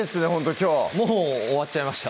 きょうもう終わっちゃいました